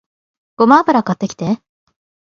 ごま油買ってきて